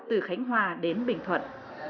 từ khánh hoa đến bình thuận